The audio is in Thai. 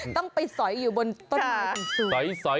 ต้องไปสอยอยู่บนต้นไม้สูงใส